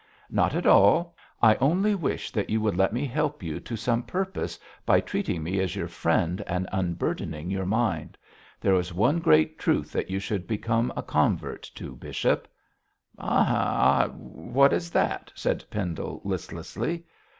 'Not at all. I only wish that you would let me help you to some purpose by treating me as your friend and unburdening your mind. There is one great truth that you should become a convert to, bishop.' 'Ay, ay, what is that?' said Pendle, listlessly.